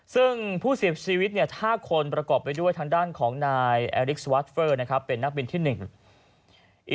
ซึ่งผู้เสียชีวิต๕คนประกอบไปด้วยทางด้านของนายแอริกสวาสเฟอร์นะครับเป็นนักบินที่หนึ่ง